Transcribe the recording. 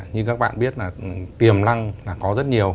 như các bạn biết là tiềm năng là có rất nhiều